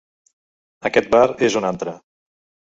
Aquest bar és un antre.